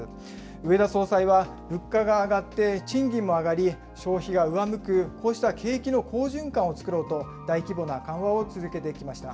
植田総裁は物価が上がって、賃金も上がり、消費が上向くこうした景気の好循環を作ろうと、大規模な緩和を続けてきました。